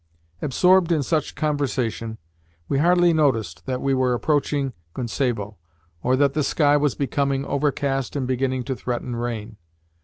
Absorbed in such conversation, we hardly noticed that we were approaching Kuntsevo, or that the sky was becoming overcast and beginning to threaten rain.